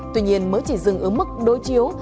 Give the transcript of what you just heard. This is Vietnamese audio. tuy nhiên mới chỉ dừng ở mức đối chiếu